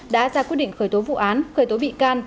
đã ra quyết định khởi tố vụ án khởi tố bị can